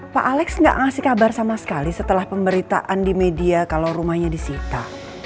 pak alex gak ngasih kabar sama sekali setelah pemberitaan di media kalau rumahnya disita